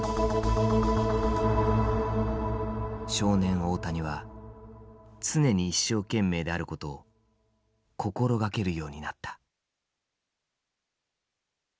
少年大谷は常に一生懸命であることを心掛けるようになった。